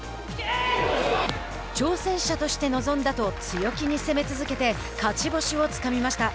挑戦者として臨んだと強気に攻め続けて勝ち星をつかみました。